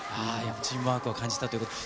チームワークを感じたということで。